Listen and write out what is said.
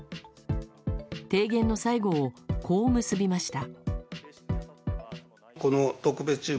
提言の最後を、こう結びました。